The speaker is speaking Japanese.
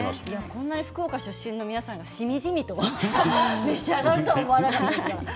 こんなに福岡出身の皆さんが、しみじみと召し上がると思わなかったです。